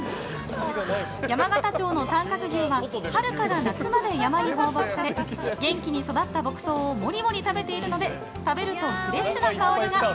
山形町の短角牛は春から夏まで山に放牧された牛が元気に育った牧草をモリモリ食べているので食べるとフレッシュな香りが。